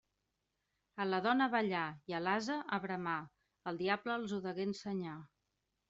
A la dona a ballar i a l'ase a bramar, el diable els ho degué ensenyar.